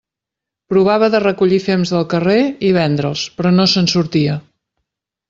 Provava de recollir fems del carrer i vendre'ls, però no se'n sortia.